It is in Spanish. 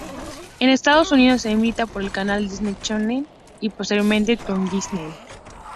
En Estados Unidos se emitía por el canal Disney Channel y, posteriormente, Toon Disney.